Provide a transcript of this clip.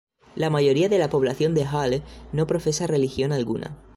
La mayoría de la población de Halle no profesa religión alguna.